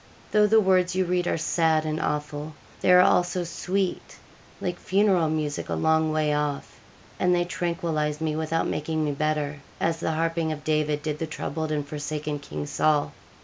Though the words you read are sad and awful, they are also sweet, like funeral music a long way off, and they tranquillise me without making me better, as the harping of David did the troubled and forsaken King Saul.'